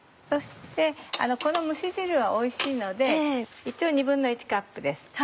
そしてこの蒸し汁はおいしいので一応１／２カップです。